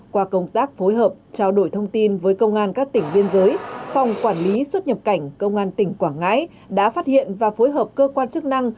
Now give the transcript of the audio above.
qua công tác phối hợp trao đổi thông tin với công an các tỉnh biên giới phòng quản lý xuất nhập cảnh công an tỉnh quảng ngãi đã phát hiện và phối hợp cơ quan chức năng